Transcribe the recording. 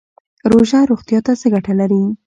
روژه روغتیا ته څه ګټه لري؟